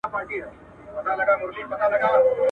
او پوره توګه ور پېرزو کړې ده